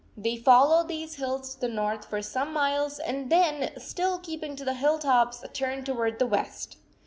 They followed these hills to the north for some miles and then, still keeping to the hill tops, turned toward the west.